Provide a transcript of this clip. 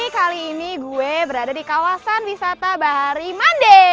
kali ini gue berada di kawasan wisata bahari mande